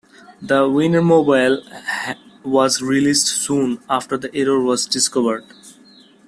The Wienermobile was released soon after the error was discovered.